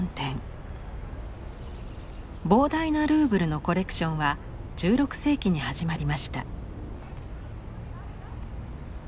膨大なルーブルのコレクションは１６世紀に始まりました。